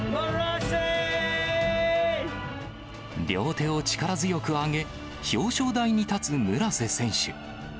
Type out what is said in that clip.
両手を力強く挙げ、表彰台に立つ村瀬選手。